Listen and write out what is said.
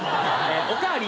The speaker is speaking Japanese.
「お代わり」